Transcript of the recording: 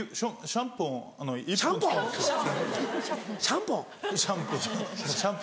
シャンポン？